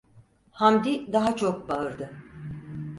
Hamdi daha çok bağırdı: